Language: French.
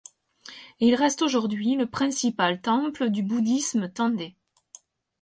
Il reste aujourd'hui le principal temple du bouddhisme Tendai.